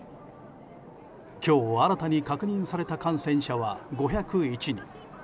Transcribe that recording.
今日新たに確認された感染者は５０１人。